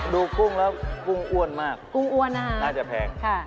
กุ้งแล้วกุ้งอ้วนมากกุ้งอ้วนนะคะน่าจะแพง